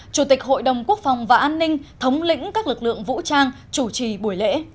chủ tịch hội đồng quốc phòng và an ninh thống lĩnh các lực lượng vũ trang chủ trì buổi lễ